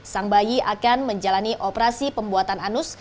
sang bayi akan menjalani operasi pembuatan anus